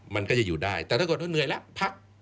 มันก็จะอยู่ได้แต่ถ้าเกิดว่าเหนื่อยแล้วพัก